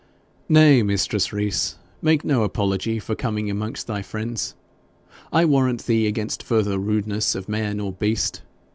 'Nay, mistress Rees, make no apology for coming amongst thy friends. I warrant thee against further rudeness of man or beast.